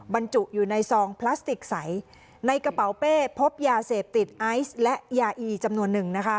บรรจุอยู่ในซองพลาสติกใสในกระเป๋าเป้พบยาเสพติดไอซ์และยาอีจำนวนหนึ่งนะคะ